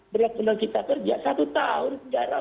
berlakonan kita kerja satu tahun